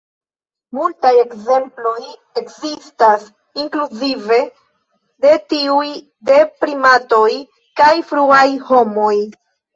Multaj ekzemploj ekzistas, inkluzive de tiuj de primatoj kaj fruaj homoj.